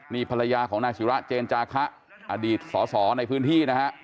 นี่ภรรยาของนายศิระเจนจาคะอดีตสอสอในพื้นที่นะฮะ